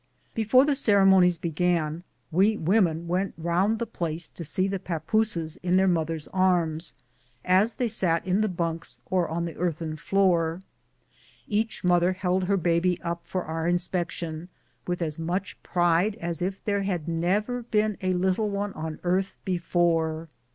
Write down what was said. Before the ceremonies began, we women went round the place to see the papooses in their mothers' arms, as they sat in the bunks or on the earthen floor. Each moth er held her baby up for our inspection, with as much pride as if there had never been a little one on earth before.